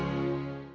siap terima kasih